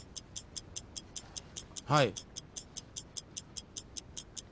はい。